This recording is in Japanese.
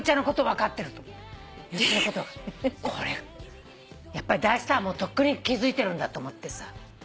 これやっぱり大スターはもうとっくに気付いてるんだと思ってさ。